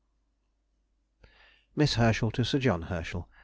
_] MISS HERSCHEL TO SIR JOHN HERSCHEL.